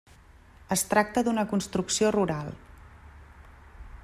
Es tracta d'una construcció rural.